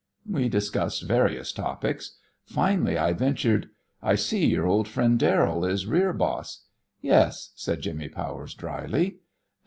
We discussed various topics. Finally I ventured: "I see your old friend Darrell is rear boss." "Yes," said Jimmy Powers, dryly.